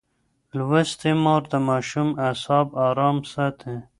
لوستې مور د ماشوم اعصاب ارام ساتي.